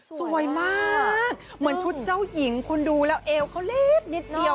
อุ้ยมีเวลด้วย